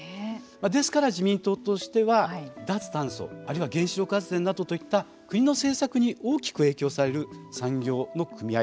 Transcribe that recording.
ですから、自民党としては脱炭素あるいは原子力発電などといった国の政策に大きく影響される産業の組合